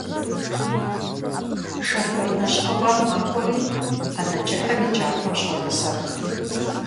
Шофёр нэщхъыфӀэр макӀуэри ӏэнэ кӀыхьым и кӀапэм щотӀысэх.